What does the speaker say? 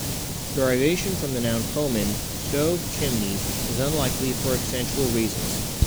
Derivation from the noun "komin" 'stove, chimney' is unlikely for accentual reasons.